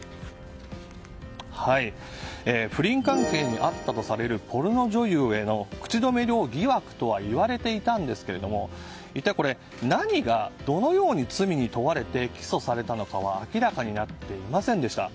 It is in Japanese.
不倫関係にあったとされるポルノ女優への口止め料疑惑とは言われていたんですけれども一体、これ何がどのように罪に問われて起訴されたのかは明らかになっていませんでした。